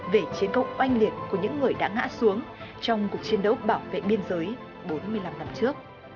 về chiến công oanh liệt của những người đã ngã xuống trong cuộc chiến đấu bảo vệ biên giới bốn mươi năm năm trước